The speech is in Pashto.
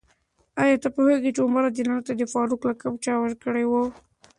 آیا ته پوهېږې چې عمر رض ته د فاروق لقب چا ورکړی و؟